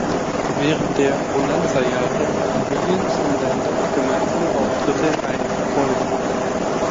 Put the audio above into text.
Während der „Bonanza“-Jahre hatten Williams und Landon gemeinsame Auftritte in einigen Folgen.